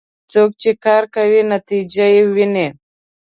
څوک چې کار کوي، نتیجه یې ويني.